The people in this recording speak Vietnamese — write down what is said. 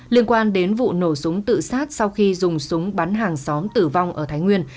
liên quan đến vụ nổ súng tự sát sau khi dùng súng bắn hàng xóm tử vong ở thái nguyên